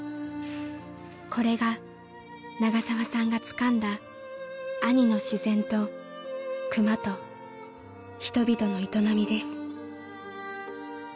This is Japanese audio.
［これが永沢さんがつかんだ阿仁の自然と熊と人々の営みです］